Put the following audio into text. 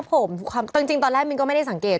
ผมจริงตอนแรกมินก็ไม่ได้สังเกต